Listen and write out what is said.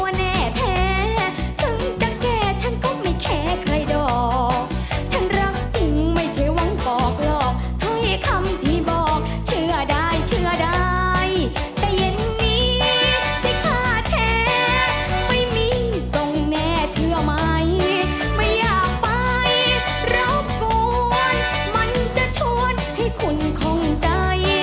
แม่เชื่อไหมไม่อยากไปรับกวนมันจะชวนให้คุณคงใจ